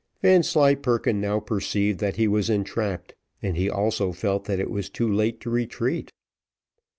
Vanslyperken now perceived that he was entrapped, and he also felt that it was too late to retreat.